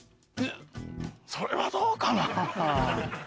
それはどうかな。